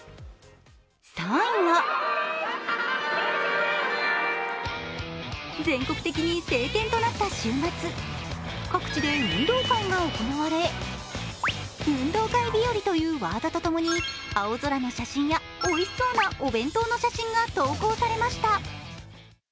３位は、全国的に晴天となった週末、各地で運動会が行われ「運動会日和」というワードとともに青空の写真やおいしそうなお弁当の写真が投稿されました。